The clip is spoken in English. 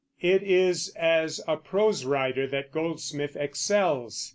It is as a prose writer that Goldsmith excels.